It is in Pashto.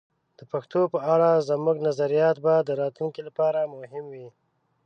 د پښتو په اړه زموږ نظریات به د راتلونکي لپاره مهم وي.